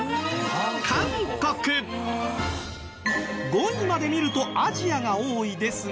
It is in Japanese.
５位まで見るとアジアが多いですが。